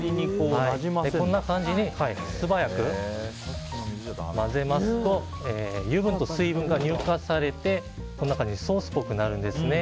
こんな感じに素早く混ぜますと油分と水分が乳化されてソースっぽくなるんですね。